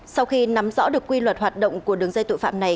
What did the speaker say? sau khi nắm rõ được quy luật hoạt động của đường dây tội phạm này